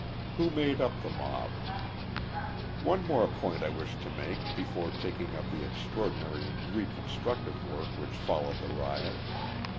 Who Made Up the Mob? One more point I wish to make before taking up the extraordinary reconstructive work which followed the riot.